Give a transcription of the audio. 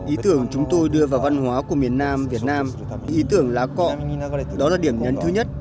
ý tưởng chúng tôi đưa vào văn hóa của miền nam việt nam ý tưởng lá cọn đó là điểm nhấn thứ nhất